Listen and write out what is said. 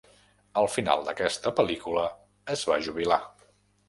Al final d'aquesta pel·lícula, es va jubilar.